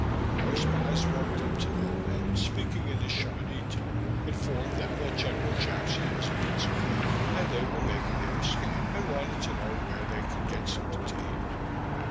Our spies walked up to them, and speaking in the Shawnee tongue, informed them that General Jackson was at Pensacola, and they were making their escape, and wanted to know where they could get something to eat.